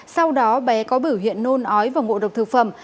sau đó bé có biểu hiện nôn ói và ngộ độc thực phẩm